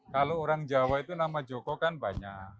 kalau orang jawa itu nama joko kan banyak